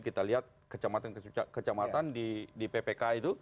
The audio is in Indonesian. kita lihat kecamatan kecamatan di ppk itu